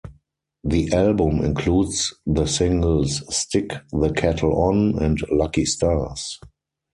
The album includes the singles "Stick the Kettle On" and "Lucky Stars".